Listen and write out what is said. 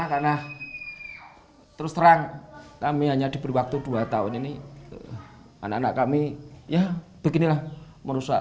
karena terus terang kami hanya diberi waktu dua tahun ini anak anak kami ya beginilah merusak